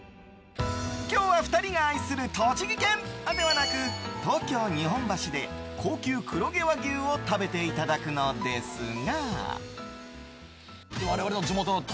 今日は２人が愛する栃木県ではなく東京・日本橋で高級黒毛和牛を食べていただくのですが。